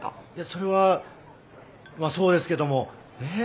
それはまあそうですけども。